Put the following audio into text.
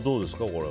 これ。